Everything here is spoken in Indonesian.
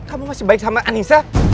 kamu masih baik sama anissa